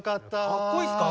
かっこいいっすか？